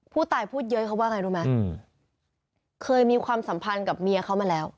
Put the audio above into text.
ผู้ตายพูดเยอะเขาว่าไงรู้ไหมเคยมีความสัมพันธ์กับเมียเขามาแล้ว